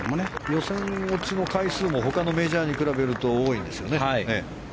予選落ちの回数も他のメジャーに比べると多いんですよね。